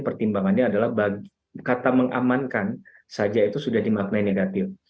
pertimbangannya adalah kata mengamankan saja itu sudah dimaknai negatif